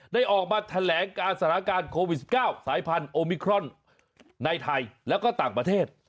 ได้ออกมาแถลงการสถานการณ์โควิด๑๙สายพันธุมิครอนในไทยแล้วก็ต่างประเทศ